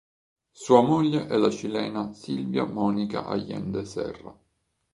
Sua moglie è la cilena Sylvia Mónica Allende Serra.